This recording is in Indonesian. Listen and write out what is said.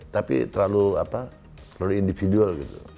tapi terlalu apa terlalu individual gitu